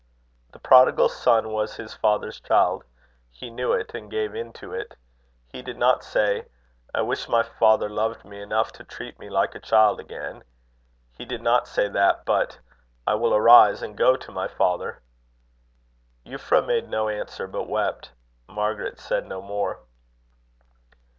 "The Prodigal Son was his father's child. He knew it, and gave in to it. He did not say: 'I wish my father loved me enough to treat me like a child again.' He did not say that, but I will arise and go to my father." Euphra made no answer, but wept, Margaret said no more.